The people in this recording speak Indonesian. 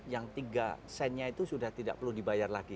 yang tiga sennya itu sudah tidak perlu dibayar lagi